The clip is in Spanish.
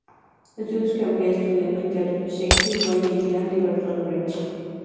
Estudios que amplía estudiando el teatro de Shakespeare; Valle-Inclán y Bertolt Brecht.